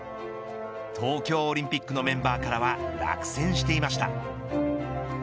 東京オリンピックのメンバーからは落選していました。